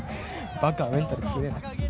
バカはメンタル強えな。